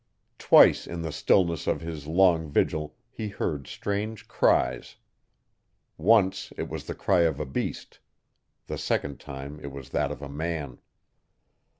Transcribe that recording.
Twice in the stillness of his long vigil he heard strange cries. Once it was the cry of a beast. The second time it was that of a man.